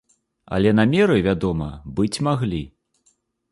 Але намеры, вядома, быць маглі.